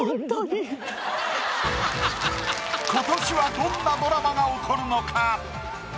今年はどんなドラマが起こるのか？